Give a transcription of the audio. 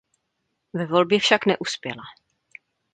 Ve volbě však neuspěla.